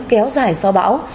kéo dài so bão